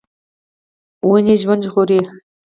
ونې ژوند ژغوري.